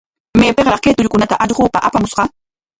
¿Maypikraq kay tullukunata allquqa apamushqa?